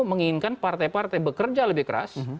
menginginkan partai partai bekerja lebih keras